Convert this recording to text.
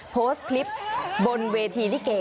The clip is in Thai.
โพสต์คลิปบนเวทีลิเก